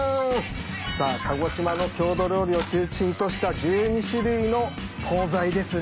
さあ鹿児島の郷土料理を中心とした１２種類の総菜ですね。